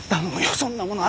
そんなものは。